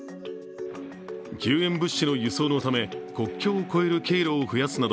救援物資の輸送のため国境を越える経路を増やすなど